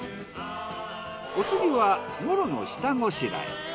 お次はモロの下ごしらえ。